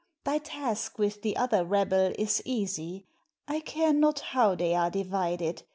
Thy task with the other rabble is easy. I care not how they are divided.